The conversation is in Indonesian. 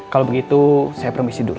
kalau begitu saya permisi dulu